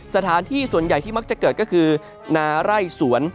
สถานที่ส่วนใหญ่ที่มักจะเกิดก็คือนาไร่สวน